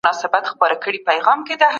خلګو پرون درناوی وکړ.